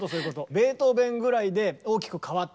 ベートーベンぐらいで大きく変わった。